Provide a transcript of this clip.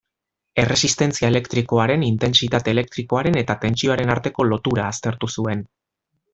Erresistentzia elektrikoaren, intentsitate elektrikoaren eta tentsioaren arteko lotura aztertu zuen.